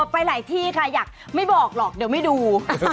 ไปหลายที่ค่ะอยากไม่บอกหรอกเดี๋ยวไม่ดู